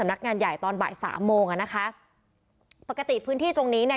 นักงานใหญ่ตอนบ่ายสามโมงอ่ะนะคะปกติพื้นที่ตรงนี้เนี่ย